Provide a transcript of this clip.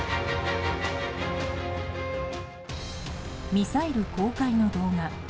ミサイル公開の動画。